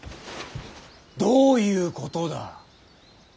どういうことだ。